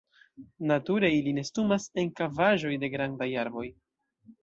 Nature ili nestumas en kavaĵoj de grandaj arboj.